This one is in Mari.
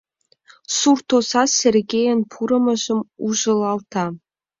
Сурт оза Сергейын пурымыжым ужылалта.